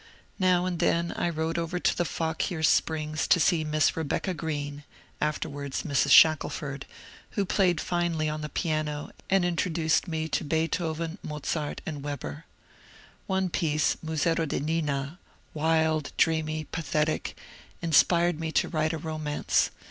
Now and then I rode over to the Fau quier Springs to see Miss Rebecca Green (afterwards Mrs. Shackelford), who played finely on the piano and introduced me to Beethoven, Mozart, and Weber. One piece, ^^ Musetto deNina," — wild, dreamy, pathetic, — inspired me to write a romance.